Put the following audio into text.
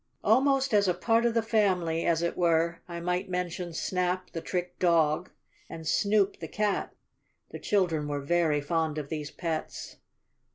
Almost as a part of the family, as it were, I might mention Snap, the trick dog, and Snoop, the cat. The children were very fond of these pets.